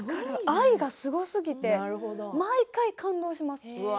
愛がすごすぎて毎回、感動します。